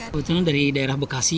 kebetulan dari daerah bekasi